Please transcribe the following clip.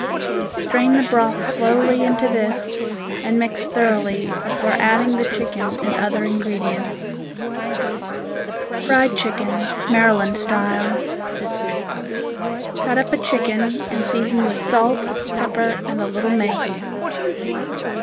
Strain the broth slowly into this and mix thoroughly before adding the chicken and other ingredients. Fried Chicken, Maryland Style Cut up a chicken, and season with salt, pepper and a little mace.